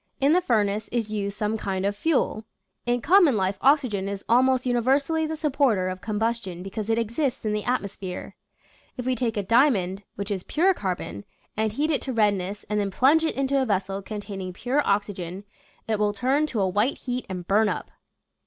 In the furnace is used some kind of fuel. In common life oxygen is al most universally the supporter of combustion because it exists in the atmosphere. If we take a diamond, which is pure carbon, and heat it to redness and then plunge it into a vessel containing pure oxygen, it will turn to a white heat and burn up.